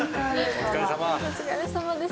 お疲れさまです。